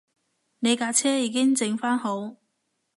你架車已經整番好